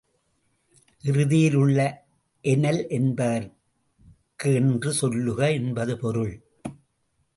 இறுதியில் உள்ள எனல் என்பதற்கு என்று சொல்லுக என்பது பொருள்.